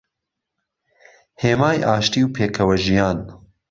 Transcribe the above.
هێمای ئاشتی و پێکەوەژیان